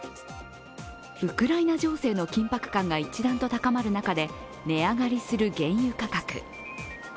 ウクライナ情勢の緊迫感が一段と高まる中で値上がりする原油価格。